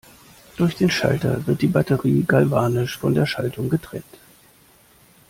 Durch den Schalter wird die Batterie galvanisch von der Schaltung getrennt.